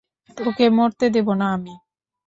তোকে মরতে দেব না আমি!